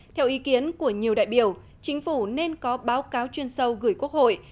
theo ý kiến của nhiều đại biểu chính phủ nên có báo cáo chuyên sâu gửi quốc hội